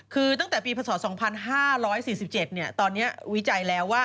คือตั้งแต่ปีพศ๒๕๔๗ตอนนี้วิจัยแล้วว่า